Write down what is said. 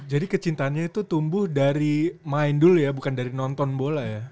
jadi kecintanya itu tumbuh dari main dulu ya bukan dari nonton bola ya